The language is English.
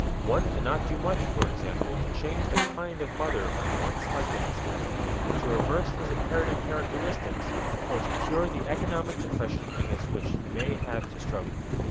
One cannot do much, for example, to change the kind of mother whom one's husband has had, to reverse his inherited characteristics, or to cure the economic depression against which he may have to struggle.